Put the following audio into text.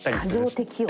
過剰適応。